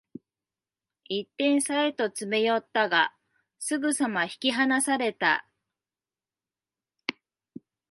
一点差へと詰め寄ったが、すぐさま引き離された